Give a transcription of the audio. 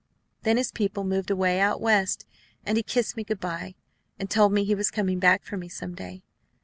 Then his people moved away out West; and he kissed me good by, and told me he was coming back for me some day.